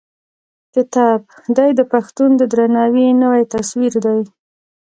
کتاب: دی د پښتون د درناوي نوی تصوير دی.